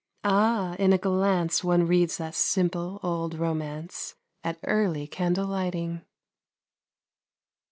Ah, in a glance One reads that simple, old romance At early candle lighting.